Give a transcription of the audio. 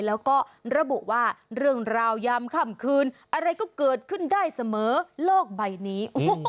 แล้วก็ระบุว่าเรื่องราวยามค่ำคืนอะไรก็เกิดขึ้นได้เสมอโลกใบนี้